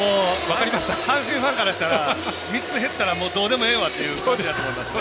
阪神ファンからしたら３つ減ったらもう、どうでもええわ！という感じだと思いますね。